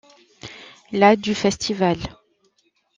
La du festival.